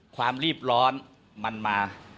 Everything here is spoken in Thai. ความรีบร้อนมันมา